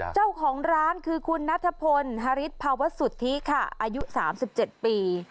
เจ้าของร้านคือคุณนัทพลฮาริสภาวสุธิค่ะอายุสามสิบเจ็ดปี